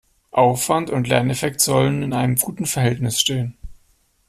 Aufwand und Lerneffekt sollen in einem guten Verhältnis stehen.